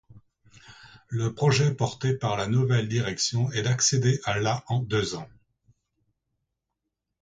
Le projet porté par la nouvelle direction est d'accéder à la en deux ans.